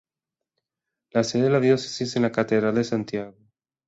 La sede de la Diócesis es la Catedral de Santiago.